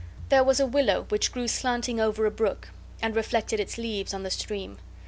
There was a willow which grew slanting over a brook, and reflected its leaves on the stream.